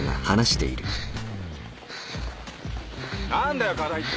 何だよ課題って。